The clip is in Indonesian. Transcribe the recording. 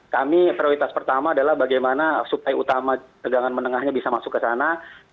kami prioritas pertama adalah bagaimana suplai utama tegangan menengahnya bisa masuk ke sana